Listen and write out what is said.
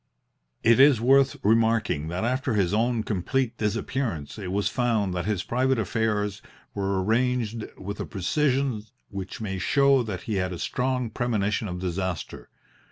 It is worth remarking that after his own complete disappearance it was found that his private affairs were arranged with a precision which may show that he had a strong premonition of disaster.